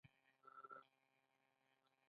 چترۍ را واخله